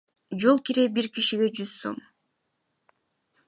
Жол кире бир кишиге жүз сом.